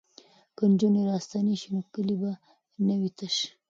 که نجونې راستنې شي نو کلی به نه وي تش.